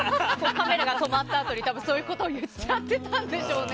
カメラが止まったあとにそういうことを言っちゃってたんでしょうね。